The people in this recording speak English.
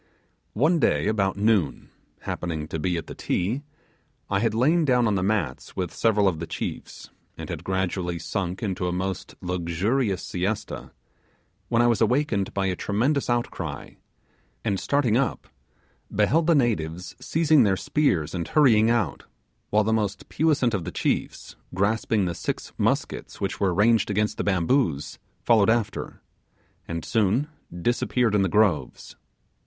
One, day about noon, happening to be at the Ti, I had lain down on the mats with several of the chiefs, and had gradually sunk into a most luxurious siesta, when I was awakened by a tremendous outcry, and starting up beheld the natives seizing their spears and hurrying out, while the most puissant of the chiefs, grasping the six muskets which were ranged against the bamboos, followed after, and soon disappeared in the groves.